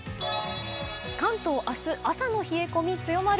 関東は明日朝の冷え込み強まる。